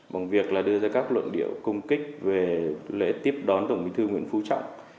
bằng việc đưa ra các luận điệu công kích về lễ tiếp đón tổng bí thư nguyễn phú trọng